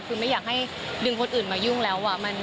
คือไม่อยากให้ดึงคนอื่นมายุ่งแล้ว